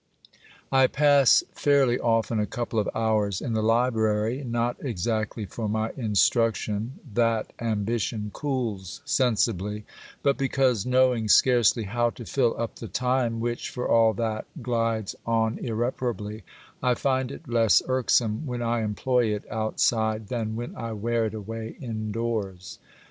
I pass fairly often a couple of hours in the library, not exactly for my instruction — that ambition cools sensibly — but because, knowing scarcely how to fill up the time which, for all that, glides on irreparably, I find it less irk some when I employ it outside than when I wear it away indoors.